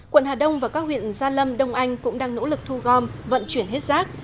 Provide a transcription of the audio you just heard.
quận hà đông và các huyện gia lâm đông anh cũng đang nỗ lực thu gom vận chuyển hết rác